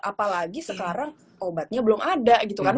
apalagi sekarang obatnya belum ada gitu kan